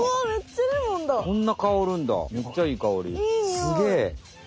すげえ！